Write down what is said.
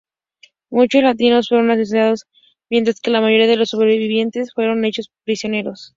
Muchos latinos fueron asesinados, mientras que la mayoría de los sobrevivientes fueron hechos prisioneros.